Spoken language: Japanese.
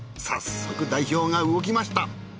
早速代表が動きました。